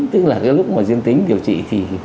tức là lúc mà diễn tính điều trị thì